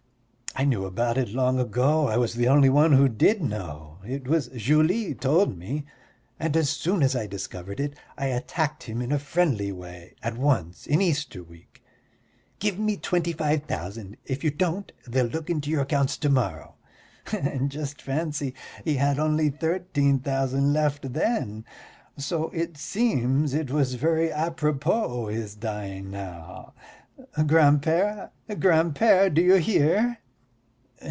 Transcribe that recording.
I knew about it long ago, I was the only one who did know; it was Julie told me, and as soon as I discovered it, I attacked him in a friendly way at once in Easter week: 'Give me twenty five thousand, if you don't they'll look into your accounts to morrow.' And just fancy, he had only thirteen thousand left then, so it seems it was very apropos his dying now. Grand père, grand père, do you hear?"